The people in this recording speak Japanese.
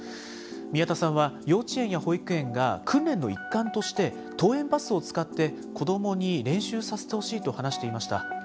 宮田さんは幼稚園や保育園が訓練の一環として登園バスを使って、子どもに練習させてほしいと話していました。